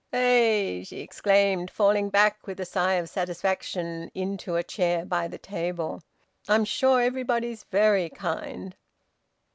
"Eh!" she exclaimed, falling back with a sigh of satisfaction into a chair by the table. "I'm sure everybody's very kind.